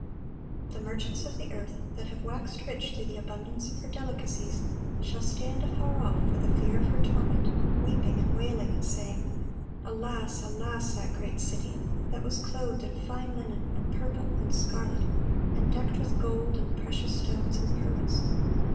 (1131) "The merchants of the earth," that have "waxed rich through the abundance of her delicacies," "shall stand afar off for the fear of her torment, weeping and wailing, and saying, Alas, alas that great city, that was clothed in fine linen, and purple, and scarlet, and decked with gold, and precious stones, and pearls!